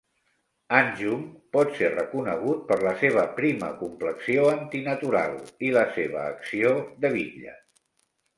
Anjum pot ser reconegut per la seva prima complexió antinatural i la seva acció de bitlles.